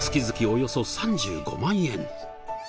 およそ３５万円。